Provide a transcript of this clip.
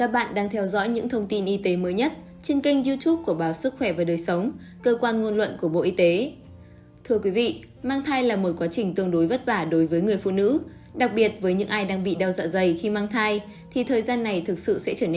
hãy đăng ký kênh để ủng hộ kênh của chúng mình nhé